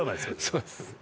そうです。